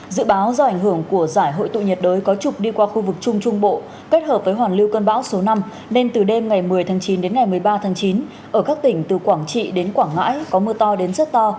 dự báo do ảnh hưởng của giải hội tụ nhiệt đới có trục đi qua khu vực trung trung bộ kết hợp với hoàn lưu cơn bão số năm nên từ đêm ngày một mươi tháng chín đến ngày một mươi ba tháng chín ở các tỉnh từ quảng trị đến quảng ngãi có mưa to đến rất to